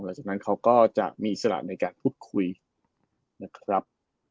หลังจากนั้นเขาก็จะมีอิสระในการพูดคุยนะครับ